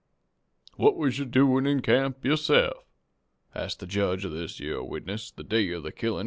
"'What was you all doin' in camp yourse'f,' asked the jedge of this yere witness, 'the day of the killin'?'